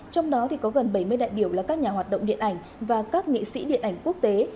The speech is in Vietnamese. trong đó có gần bảy mươi đại biểu là các nhà hoạt động điện ảnh và các nghệ sĩ điện ảnh quốc tế